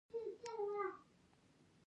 د خداى پاماني پر وخت نعماني صاحب راته وويل.